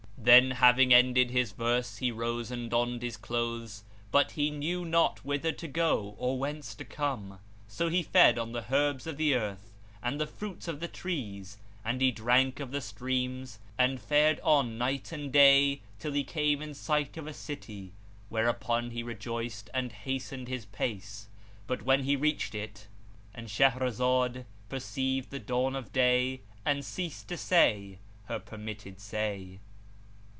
Then, having ended his verse, he rose and donned his clothes but he knew not whither to go or whence to come; so he fed on the herbs of the earth and the fruits of the trees and he drank of the streams, and fared on night and day till he came in sight of a city; whereupon he rejoiced and hastened his pace; but when he reached it,—And Shahrazad perceived the dawn of day and ceased to say her permitted say.